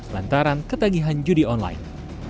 lantaran ketagihan judi online